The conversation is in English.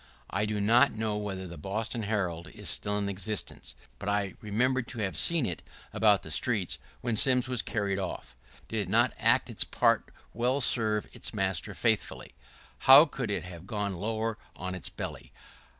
I do not know whether the Boston Herald is still in existence, but I remember to have seen it about the streets when Sims was carried off. Did it not act its part well — serve its master faithfully! How could it have gone lower on its belly?